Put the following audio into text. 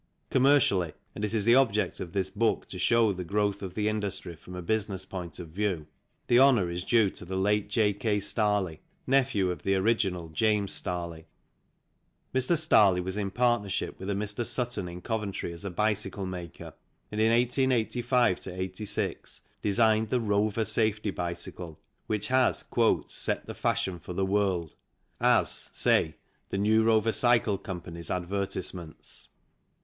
Commercially and it is the object of this book to show the growth of the industry from a business view point the honour is due to the late J. K. Starley, nephew of the original James Starley. Mr. Starley was in partnership with a Mr. Sutton in Coventry as a bicycle maker, and in 1885 86 designed the " Rover " safety bicycle which has " set the fashion to the world," as, say, The New Rover Cycle Co.'s advertisements.